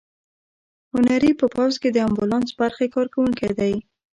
هنري په پوځ کې د امبولانس برخې کارکوونکی دی.